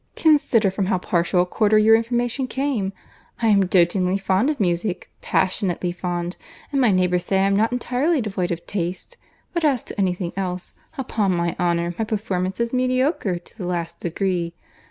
Consider from how partial a quarter your information came. I am doatingly fond of music—passionately fond;—and my friends say I am not entirely devoid of taste; but as to any thing else, upon my honour my performance is mediocre to the last degree.